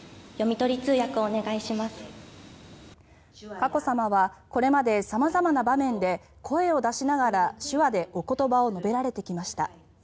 佳子さまはこれまで、さまざまな場面で声を出しながら、手話でお言葉を述べられてきました。